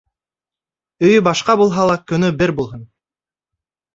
Өйө башҡа булһа ла, көнө бер булһын.